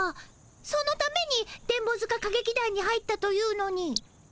そのために電ボ塚歌劇団に入ったというのに。